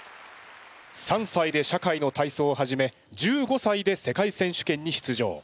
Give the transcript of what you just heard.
３歳で社会の体操を始め１５歳で世界選手権に出場。